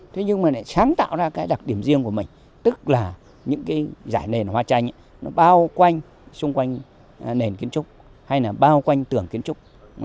thế nhưng mà lại sáng tạo ra cái đặc điểm riêng của mình tức là những cái giải nền hoa tranh nó bao quanh xung quanh nền kiến trúc hay là bao quanh tường kiến trúc